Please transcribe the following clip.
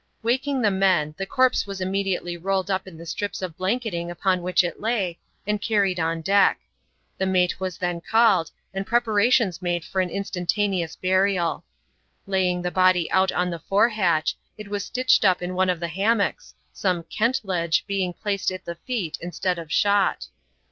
Waking the men, the corpse was immediately rolled up in the strips of blanketing upon which it lay, and carried on deck. The mate was then called, and preparations made for an instan taneous burial. Laying the body out on the fore hatch, it was stitched up in one of the hanmiocks, some " kentlege" being placed at the feet instead of shot.